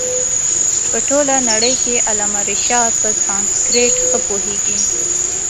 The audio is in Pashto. په ټوله نړۍ کښي علامه رشاد په سانسکرېټ ښه پوهيږي.